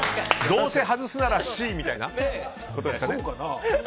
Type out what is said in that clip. どうせ外すならＣみたいなことですかね。